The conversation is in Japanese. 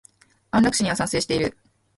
安楽死には賛成している。